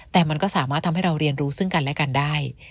แต่มันก็สามารถทำให้เราเรียนรู้ซึ่งกันและกันได้